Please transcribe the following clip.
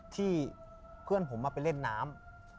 ที่เพื่อนผมมาไปเล่นน้ำ